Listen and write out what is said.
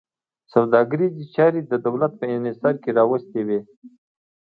سوداګریزې چارې د دولت په انحصار کې راوستې وې.